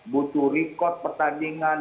butuh rekod pertandingan